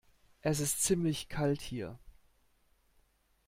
Es ist ziemlich kalt hier.